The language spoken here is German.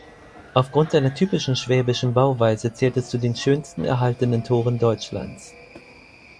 Aufgrund seiner typischen schwäbischen Bauweise zählt es zu den schönsten erhaltenen Toren Deutschlands.